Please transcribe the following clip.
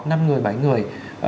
năm người bảy người